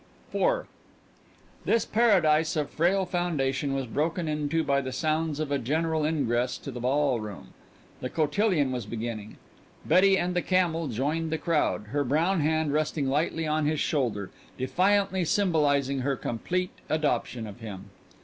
IV This paradise of frail foundation was broken into by the sounds of a general ingress to the ballroom; the cotillion was beginning. Betty and the camel joined the crowd, her brown hand resting lightly on his shoulder, defiantly symbolizing her complete adoption of him.